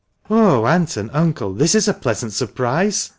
"Oh, aunt and uncle, this is a pleasant surprise!"